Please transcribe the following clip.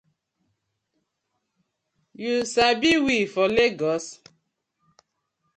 Yu sabi we for Legos?